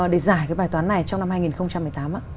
để giải cái bài toán này trong năm hai nghìn một mươi tám ạ